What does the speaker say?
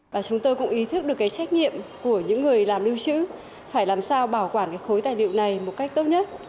và chúng tôi cũng ý thức được cái trách nhiệm của những người làm lưu trữ phải làm sao bảo quản cái khối tài liệu này một cách tốt nhất